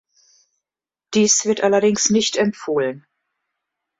Dies wird allerdings nicht empfohlen.